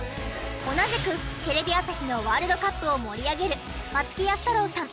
同じくテレビ朝日のワールドカップを盛り上げる松木安太郎さん